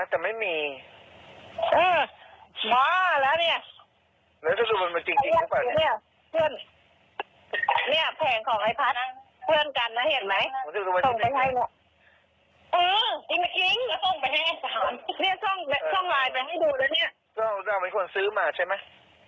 แต่ไม่มีอือมาแล้วเนี้ยแล้วจะดูมันเป็นจริงจริงหรือเปล่าเนี้ย